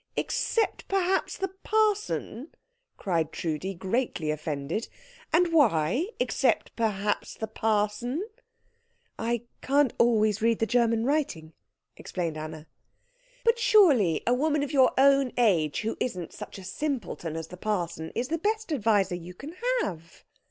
"Except perhaps the parson!" cried Trudi, greatly offended. "And why except perhaps the parson?" "I can't always read the German writing," explained Anna. "But surely a woman of your own age, who isn't such a simpleton as the parson, is the best adviser you can have."